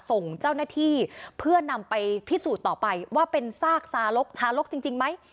ส่งเจ้าหน้าที่เพื่อนำไปพิสูจน์ต่อไปว่าเป็นซากทารกจริงไหม